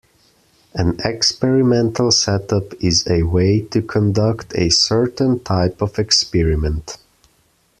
An experimental setup is a way to conduct a certain type of experiment.